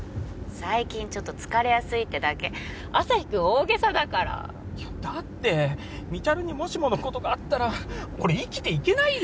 最近ちょっと疲れやすいってだけ旭君大げさだからだってみちゃるにもしものことがあったら俺生きていけないよ